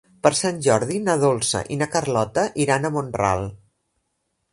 Per Sant Jordi na Dolça i na Carlota iran a Mont-ral.